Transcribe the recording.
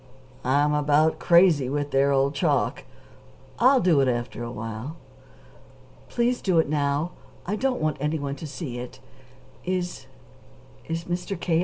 "I'm about crazy with their old chalk. I'll do it after a while." "Please do it now. I don't want anyone to see it. Is is Mr. K.